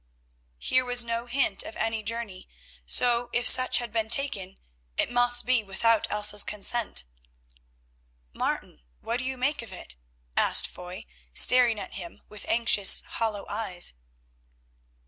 Here was no hint of any journey, so if such had been taken it must be without Elsa's own consent. "Martin, what do you make of it?" asked Foy, staring at him with anxious, hollow eyes.